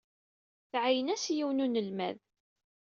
Tɛeyyen-as i yiwen n unelmad.